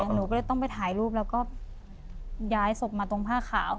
หนูก็ต้องไปถ่ายรูปแล้วก็ย้ายศพมา